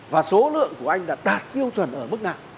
và số lượng của anh đã đạt tiêu chuẩn ở mức nào